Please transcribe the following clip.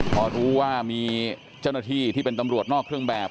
พอรู้ว่ามีเจ้าหน้าที่ที่เป็นตำรวจนอกเครื่องแบบ